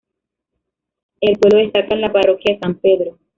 En el pueblo destaca la parroquia de San Pedro.